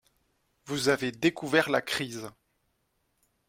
Vous avez découvert la crise.